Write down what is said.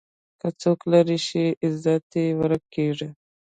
که څوک لرې شي، عزت یې ورک کېږي.